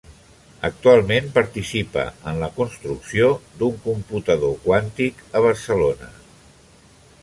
Actualment participa en la construcció d'un computador quàntic a Barcelona.